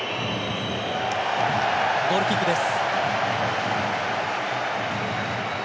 ゴールキックです。